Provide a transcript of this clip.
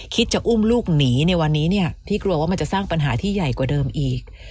จะอุ้มลูกหนีในวันนี้เนี่ยพี่กลัวว่ามันจะสร้างปัญหาที่ใหญ่กว่าเดิมอีก